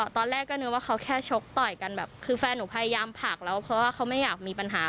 ตอนแรกก็นึกว่าเขาแค่ชกต่อยกันแบบคือแฟนหนูพยายามผลักแล้วเพราะว่าเขาไม่อยากมีปัญหา